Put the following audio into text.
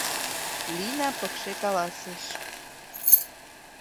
— Лина пыкше каласыш.